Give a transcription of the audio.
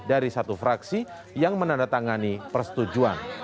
dpr menilai satu fraksi yang menandatangani persetujuan